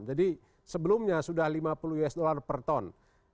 jadi sebelumnya sudah rp lima puluh usd per ton